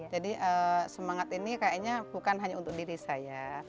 jadi semangat ini kayaknya bukan hanya untuk diri saya